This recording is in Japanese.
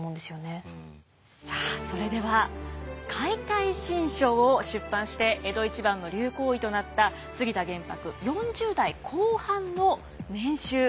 さあそれでは「解体新書」を出版して江戸一番の流行医となった杉田玄白４０代後半の年収稼ぎいくらだと思いますか？